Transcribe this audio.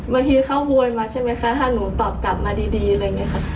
บางทีเขาโวยมาใช่ไหมคะถ้าหนูตอบกลับมาดีอะไรอย่างนี้ค่ะ